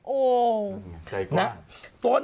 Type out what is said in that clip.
โอ้วใจกว้าง